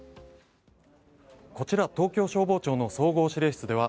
こちら東京消防庁の総合指令室では